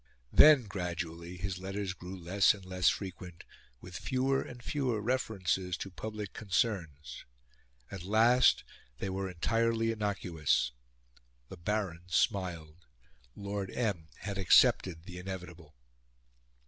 Then, gradually, his letters grew less and less frequent, with fewer and fewer references to public concerns; at last, they were entirely innocuous. The Baron smiled; Lord M. had accepted the inevitable.